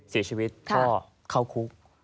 สีชีวิตพ่อเข้าคุก